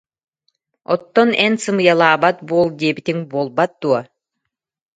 Оттон эн сымыйалаабат буол диэбитиҥ буолбат дуо